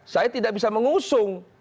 saya tidak bisa mengusung